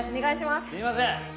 すみません。